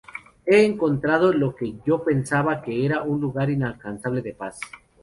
He encontrado lo que yo pensaba que era un lugar inalcanzable de paz.